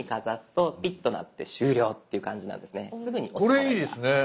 これいいですね！